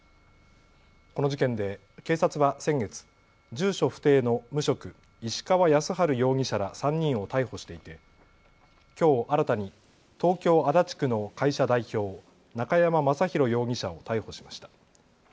この事件で警察は先月、住所不定の無職、石川泰治容疑者ら３人を逮捕していてきょう新たに東京足立区の会社代表、中山正弘容疑者を逮捕しました。